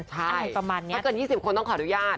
ใช่ถ้าเกิน๒๐คนต้องขออนุญาต